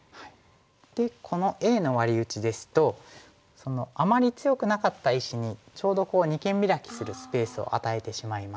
でこのＡのワリ打ちですとあまり強くなかった石にちょうど二間ビラキするスペースを与えてしまいまして。